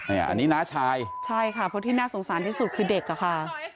อันนี้น้าชายใช่ค่ะเพราะที่น่าสงสารที่สุดคือเด็กอะค่ะ